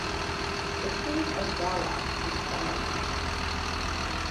The Queen of Gala is dying.